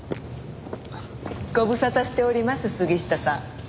ご無沙汰しております杉下さん。